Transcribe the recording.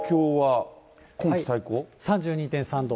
３２．３度。